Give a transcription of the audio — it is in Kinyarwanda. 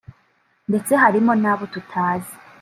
ndetse harimo n’abo tutazi